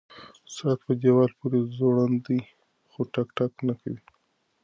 ساعت په دیوال پورې ځوړند دی خو ټک ټک نه کوي.